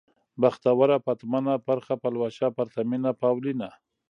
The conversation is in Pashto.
بختوره ، پتمنه ، پرخه ، پلوشه ، پرتمينه ، پاولينه